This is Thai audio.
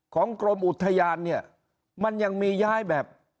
กรมอุทยานเนี่ยมันยังมีย้ายแบบ